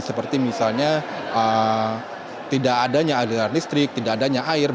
seperti misalnya tidak adanya aliran listrik tidak adanya air